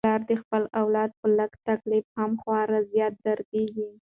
پلار د خپل اولاد په لږ تکلیف هم خورا زیات دردیږي.